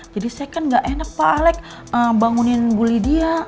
jadi saya kan gak enak pak alex bangunin bu lidia